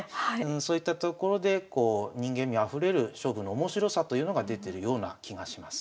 そういったところで人間味あふれる勝負の面白さというのが出てるような気がします。